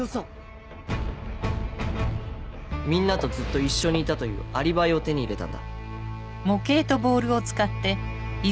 みんなとずっと一緒にいたというアリバイを手に入れたんだ。